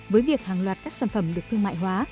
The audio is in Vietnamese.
với việc hàng loạt các sản phẩm được thương mại hóa